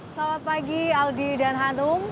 selamat pagi aldi dan hanum